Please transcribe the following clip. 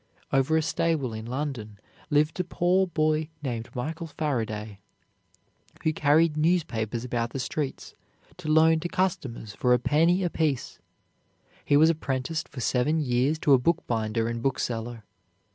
Over a stable in London lived a poor boy named Michael Faraday, who carried newspapers about the streets to loan to customers for a penny apiece. He was apprenticed for seven years to a bookbinder and bookseller.